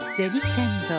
天堂。